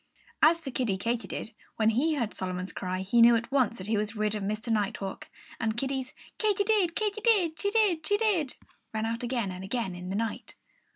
As for Kiddie Katydid, when he heard Solomon's cry he knew at once that he was rid of Mr. Nighthawk. And Kiddie's Katy did, Katy did; she did, she did rang out again and again in the night.